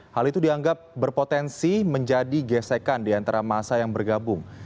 hal itu dianggap berpotensi menjadi gesekan di antara masa yang bergabung